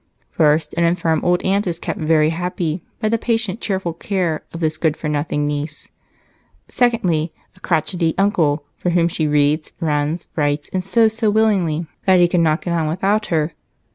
"First, an infirm old aunt is kept very happy by the patient, cheerful care of this good for nothing niece. Secondly, a crotchety uncle, for whom she reads, runs, writes, and sews so willingly that he cannot get on without her.